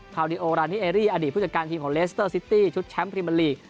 าดิโอรานิเอรี่อดีตผู้จัดการทีมของเลสเตอร์ซิตี้ชุดแชมป์พรีเมอร์ลีก